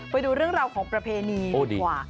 ไปดูเรื่องราวของประเพณีดีกว่า